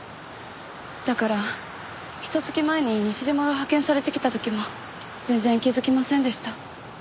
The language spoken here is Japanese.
だからひと月前に西島が派遣されてきた時も全然気づきませんでした。